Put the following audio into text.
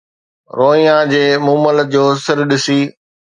روئيان جي مومل جو سر ڏسي